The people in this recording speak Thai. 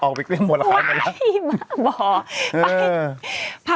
ออกไปเกลี้ยงหมดแล้วขายหมดแล้วว้ายมากบ่ไปเออ